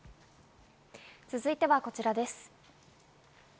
続いてはこちらです。